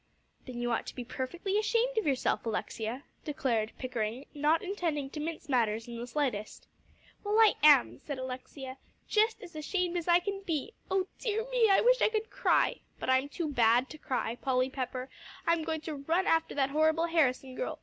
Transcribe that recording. "Then you ought to be perfectly ashamed of yourself, Alexia," declared Pickering, not intending to mince matters in the slightest. "Well, I am," said Alexia, "just as ashamed as I can be. Oh dear me! I wish I could cry. But I'm too bad to cry. Polly Pepper, I'm going to run after that horrible Harrison girl.